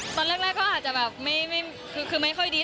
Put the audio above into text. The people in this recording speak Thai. ตอนเริ่มแรกก็อาจจะไม่ค่อยดี